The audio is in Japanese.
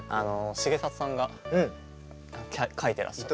重里さんが書いてらっしゃって。